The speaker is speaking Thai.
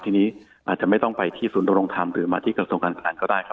ทีนี้อาจจะไม่ต้องไปที่ศูนย์ดำรงธรรมหรือมาที่กระทรวงการคลังก็ได้ครับ